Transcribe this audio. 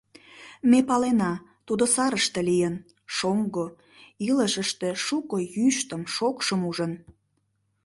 Ме палена: тудо сарыште лийын, шоҥго, илышыште шуко йӱштым-шокшым ужын.